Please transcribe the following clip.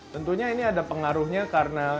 tentunya ini ada pengaruhnya karena